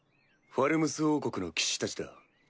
ファルムス王国の騎士たちだ。